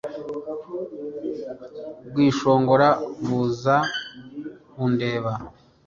bwishongora buza kundeba